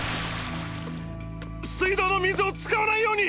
水道の水を使わないように！！